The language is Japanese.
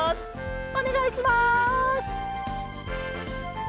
「おねがいします」。